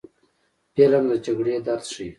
فلم د جګړې درد ښيي